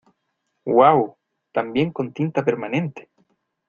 ¡ Uau! ¡ también con tinta permanente !